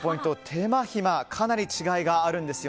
手間暇にかなり違いがあるんです。